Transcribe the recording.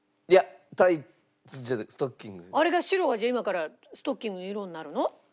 あれが白が今からストッキングの色になるの？